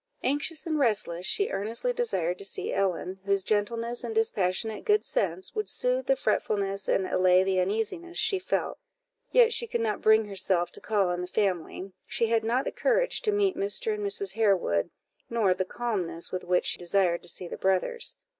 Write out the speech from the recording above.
Anxious and restless, she earnestly desired to see Ellen, whose gentleness and dispassionate good sense would soothe the fretfulness and allay the uneasiness she felt; yet she could not bring herself to call on the family she had not the courage to meet Mr. and Mrs. Harewood, nor the calmness with which she desired to see the brothers.